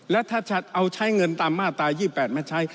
และถ้าจะเอาเงินตามมาตรา๒๘มาใช้